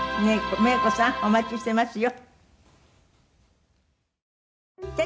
メイコさんお待ちしてますよ！